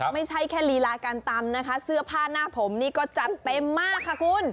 ไม่ใช่แค่ลีลาการตำนะคะเสื้อผ้าหน้าผมนี่ก็จัดเต็มมากค่ะคุณ